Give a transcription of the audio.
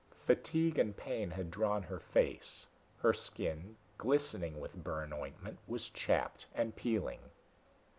Fatigue and pain had drawn her face; her skin, glistening with burn ointment, was chapped and peeling.